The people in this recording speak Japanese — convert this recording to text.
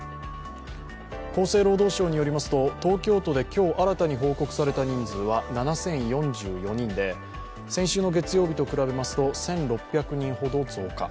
厚生労働省によりますと、東京都で今日新たに報告された人数は７０４４人で、先週の月曜日と比べますと１６００人ほど増加。